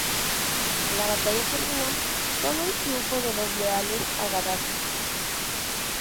La batalla terminó con un triunfo de los leales a Gadafi.